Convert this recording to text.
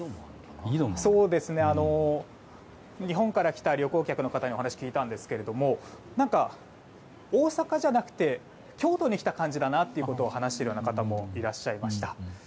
日本から来た旅行客の方にお話を聞きましたら大阪じゃなくて京都に来た感じだなと話しているような方もいらっしゃいました。